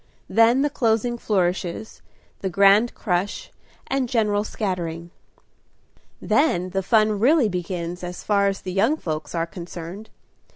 Then the closing flourishes, the grand crush, and general scattering. Then the fun really begins, as far as the young folks are concerned.